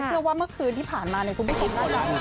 เพราะว่าเมื่อคืนที่ผ่านมาคุณพี่พูดมาก่อน